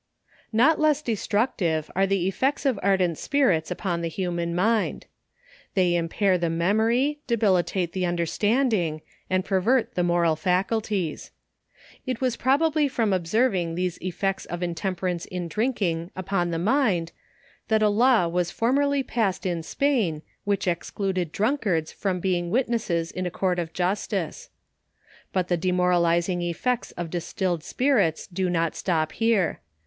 Not less destructive are the effects of ardent spirits upon the human mind. They impair the memory, debil itate the understanding, and pervert the moral faculties. It was probably from observing these effects of intemp erance in drinking, upon the mind, that a law was former ly passed in Spain which excluded drunkards from being witnesses in a court of justice. But the demoralizing ARDENT SPIRITS. ' effects of distilled spirits do not stop here.